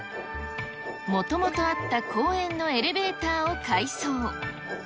もともとあった公園のエレベーターを改装。